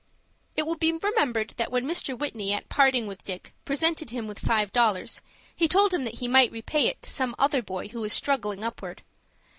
It will be remembered that when Mr. Whitney at parting with Dick presented him with five dollars, he told him that he might repay it to some other boy who was struggling upward.